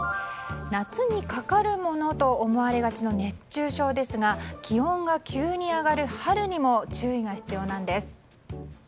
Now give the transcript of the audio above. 夏にかかるものと思われがちの熱中症ですが気温が急に上がる春にも注意が必要なんです。